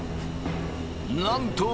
なんと！